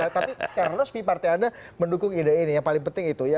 tapi serius pi partai anda mendukung ide ini yang paling penting itu